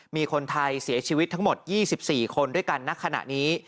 มีคนไทยเสียชีวิตทั้งหมด๒๔คนด้วยกันณขณะนี้